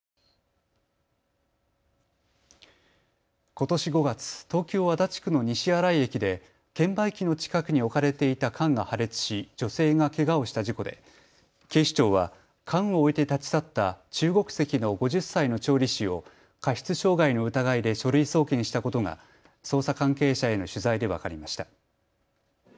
ことし５月、東京足立区の西新井駅で券売機の近くに置かれていた缶が破裂し女性がけがをした事故で警視庁は缶を置いて立ち去った中国籍の５０歳の調理師を過失傷害の疑いで書類送検したことが捜査関係者への取材で分かりました。